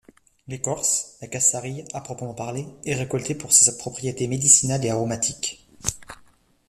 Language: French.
L'écorce, la cascarille à proprement parler, est récoltée pour ses propriétés médicinales et aromatiques.